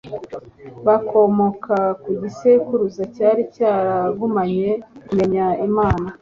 bakomoka ku gisekuruza cyari cyaragumanye kumenya Imana.